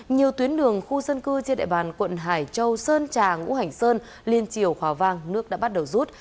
nhiều tuyến đường khu dân cư trên đại bàn quận hải châu sơn tràng ú hảnh sơn liên triều hòa vang nước đã bắt đầu rút